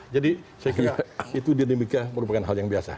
jadi saya kira itu dinamika merupakan hal yang biasa